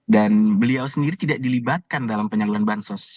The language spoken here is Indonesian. dan beliau sendiri tidak dilibatkan dalam penyaluran bansos